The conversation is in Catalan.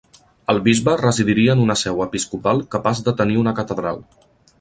El bisbe residiria en una seu episcopal capaç de tenir una catedral.